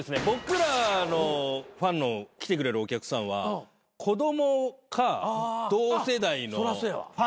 僕らのファンの来てくれるお客さんは子供か同世代の。